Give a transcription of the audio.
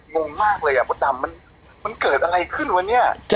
งงมากเลยอ่ะมดดำมันมันเกิดอะไรขึ้นวะเนี่ย